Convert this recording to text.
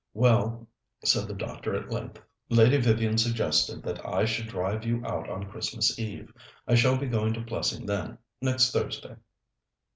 "Well," said the doctor at length, "Lady Vivian suggested that I should drive you out on Christmas Eve. I shall be going to Plessing then next Thursday."